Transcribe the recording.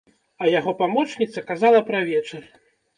А яго памочніца казала пра вечар!